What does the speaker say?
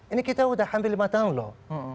ini kita sudah hampir lima tahun loh